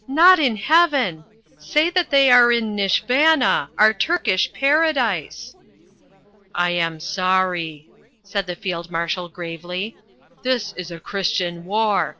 Not in Heaven! Say that they are in Nishvana, our Turkish paradise." "I am sorry," said the Field Marshal gravely. "This is a Christian war.